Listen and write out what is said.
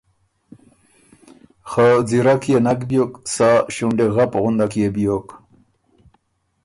خه ځیرک يې نک بیوک سا ݭُونډي غُندک يې بیوک۔